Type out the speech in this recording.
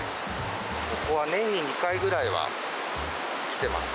ここは年に２回くらいは来てますね。